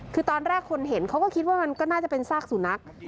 คือตอนแรกคนเห็นเขาก็คิดว่ามันก็น่าจะเป็นซากสุนัข